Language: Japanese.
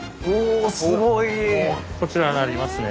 こちらになりますね。